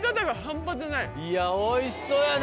いやおいしそうやな。